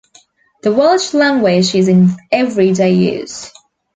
The Welsh language is in every day use.